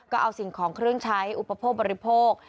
ก็เอาสิ่งของเครื่องใช้อุปโภคบริโภค